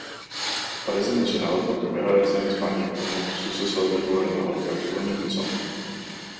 Aparece mencionado por primera vez en Hispania como sucesor del gobernador Calpurnio Pisón.